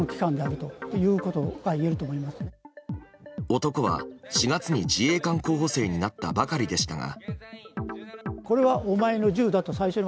男は４月に自衛官候補生になったばかりでしたが。